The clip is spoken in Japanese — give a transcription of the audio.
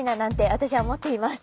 私は思っています。